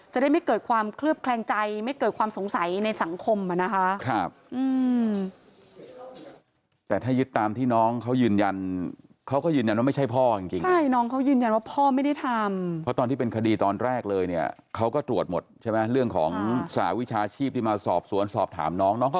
จะได้ไม่เกิดความเคลือบแคลงใจไม่เกิดความสงสัยในสังคมนะคะ